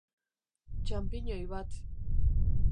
Txanpiñoi bat.